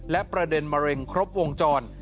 และประเด็นมะเร็งครบวงจร